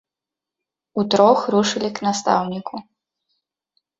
Утрох рушылі к настаўніку.